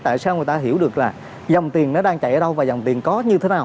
tại sao người ta hiểu được là dòng tiền nó đang chạy ở đâu và dòng tiền có như thế nào